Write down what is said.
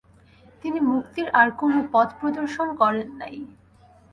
তিনি মুক্তির আর কোন পথ প্রদর্শন করেন নাই।